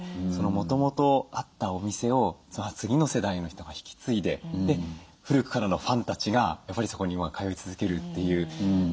もともとあったお店を次の世代の人が引き継いでで古くからのファンたちがやっぱりそこに今通い続けるという。